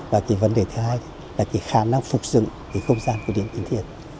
và vấn đề thứ hai là khả năng phục dựng không gian của điện kính thiên